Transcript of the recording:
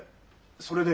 それで？